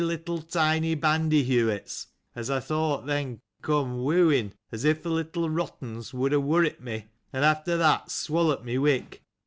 Three tiny bandyheu'its, as I thought, then, came barking, as if the little rats would have worried me, and after that have swallowed me alive.